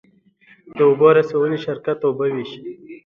د اوبو رسونې شرکت اوبه ویشي